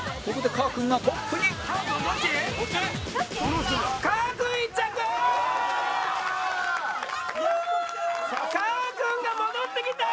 かーくんが戻ってきた！